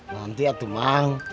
nanti atu mang